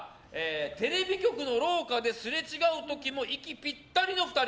テレビ局の廊下ですれ違う時も息ピッタリの２人。